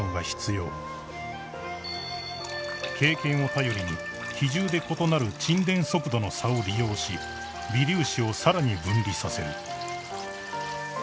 ［経験を頼りに比重で異なる沈殿速度の差を利用し微粒子をさらに分離させる］